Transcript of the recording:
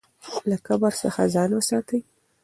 له کبر څخه ځان وساتئ.